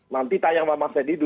nanti tanya sama mas edi dulu